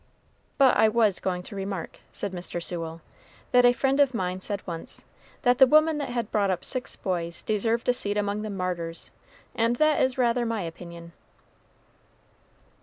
"But I was going to remark," said Mr. Sewell, "that a friend of mine said once, that the woman that had brought up six boys deserved a seat among the martyrs; and that is rather my opinion."